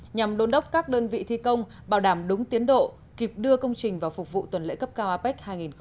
nhằm đôn đốc các đơn vị thi công bảo đảm đúng tiến độ kịp đưa công trình vào phục vụ tuần lễ cấp cao apec hai nghìn hai mươi